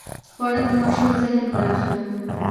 خوړل د ماشوم ذهن پراخوي